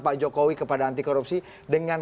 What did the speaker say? pak jokowi kepada anti korupsi dengan